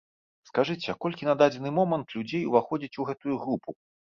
Скажыце, а колькі на дадзены момант людзей уваходзіць у гэтую групу?